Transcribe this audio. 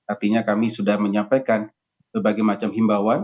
artinya kami sudah menyampaikan berbagai macam himbauan